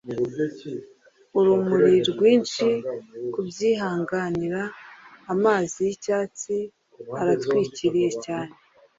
urumuri rwinshi kubyihanganira amazi yicyatsi arantwikiriye cyane